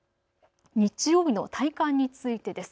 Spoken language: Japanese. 日曜日の体感についてです。